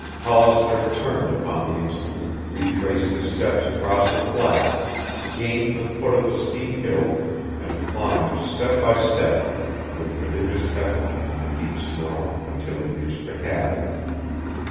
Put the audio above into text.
Hollister turned upon the instant, retraced his steps across the flat, gained the foot of the steep hill and climbed step by step with prodigious effort in the deep snow until he reached the cabin.